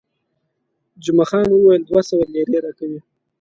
جمعه خان وویل، دوه سوه لیرې راکوي.